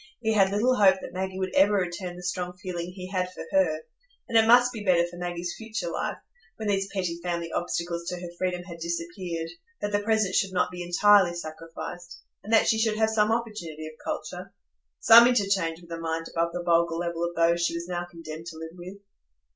He had little hope that Maggie would ever return the strong feeling he had for her; and it must be better for Maggie's future life, when these petty family obstacles to her freedom had disappeared, that the present should not be entirely sacrificed, and that she should have some opportunity of culture,—some interchange with a mind above the vulgar level of those she was now condemned to live with.